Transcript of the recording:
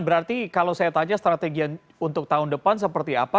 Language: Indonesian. berarti kalau saya tanya strategi untuk tahun depan seperti apa